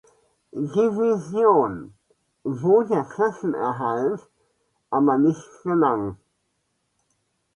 Division, wo der Klassenerhalt aber nicht gelang.